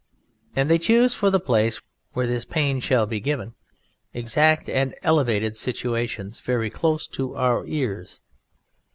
And They choose for the place where this pain shall be given, exact and elevated situations, very close to our ears.